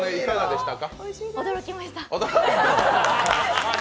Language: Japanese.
驚きました。